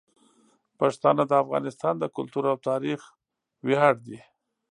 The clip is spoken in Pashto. پښتانه د افغانستان د کلتور او تاریخ ویاړ دي.